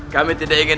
kami tidak ingin